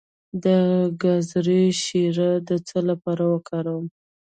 د ګازرې شیره د څه لپاره وکاروم؟